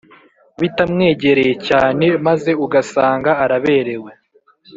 bitamwegereye cyane, maze ugasanga araberewe.